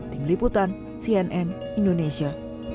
ting liputan cnn indonesia